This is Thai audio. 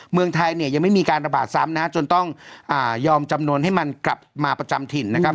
เมืองไทยเนี่ยยังไม่มีการระบาดซ้ำนะจนต้องยอมจำนวนให้มันกลับมาประจำถิ่นนะครับ